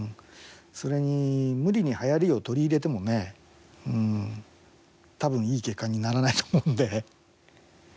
それに、無理にはやりを取り入れてもね多分いい結果にならないと思うんで。